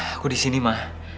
aku di sini ma